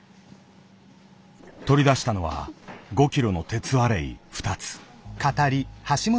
取り出したのは５キロの鉄アレイ２つ。